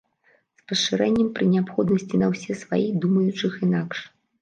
З пашырэннем пры неабходнасці на ўсе слаі думаючых інакш.